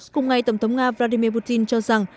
cùng ngày tổng thống nga vladimir putin cho rằng